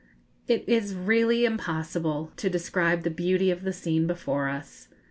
It is really impossible to describe the beauty of the scene before us.